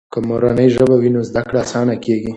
که مورنۍ ژبه وي نو زده کړه آسانه کیږي.